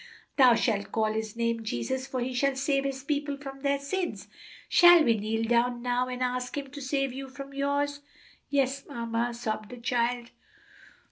'Thou shalt call His name Jesus, for He shall save His people from their sins.' Shall we kneel down now and ask Him to save you from yours?" "Yes, mamma," sobbed the child.